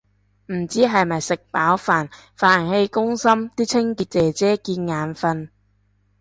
唔知係咪食飽飯，飯氣攻心啲清潔姐姐見眼訓